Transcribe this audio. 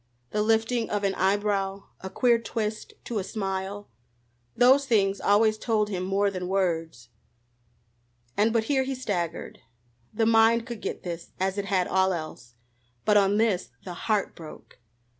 The lifting of an eyebrow, a queer twist to a smile those things always told him more than words. And but here he staggered. The mind could get this, as it had all else, but on this the heart broke.